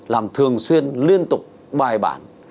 làm thường xuyên liên tục bài bản